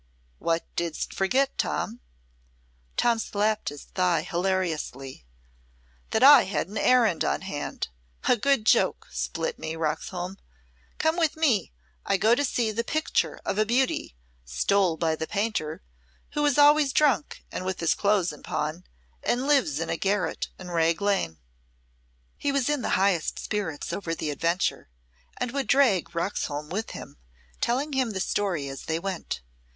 "What didst forget, Tom?" Tom slapt his thigh hilariously. "That I had an errand on hand. A good joke, split me, Roxholm! Come with me; I go to see the picture of a beauty, stole by the painter, who is always drunk, and with his clothes in pawn, and lives in a garret in Rag Lane." He was in the highest spirits over the adventure, and would drag Roxholm with him, telling him the story as they went.